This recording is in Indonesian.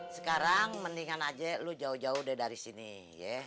sekarang mendingan aja lu jauh jauh deh dari sini ya